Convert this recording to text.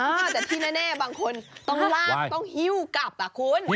แต่ที่แน่บางคนต้องลากต้องหิ้วกลับอ่ะคุณ